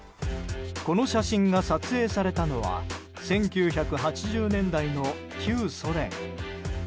この写真が撮影されたのは１９８０年代の旧ソ連。